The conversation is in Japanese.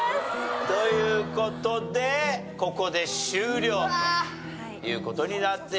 という事でここで終了という事になってしまいました。